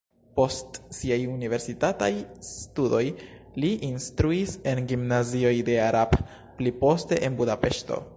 Post siaj universitataj studoj li instruis en gimnazioj de Arad, pli poste en Budapeŝto.